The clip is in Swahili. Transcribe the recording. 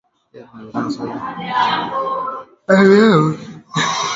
Pia tulizungumzia suala la kupotea kwa kulazimishwa mauaji holela suala la kile kinachojulikana